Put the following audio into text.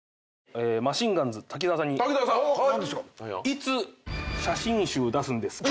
いつ写真集出すんですか？